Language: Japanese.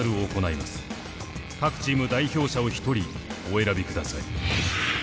各チーム代表者を１人お選びください。